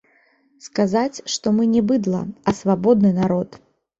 Сказаць, што мы не быдла, а свабодны народ.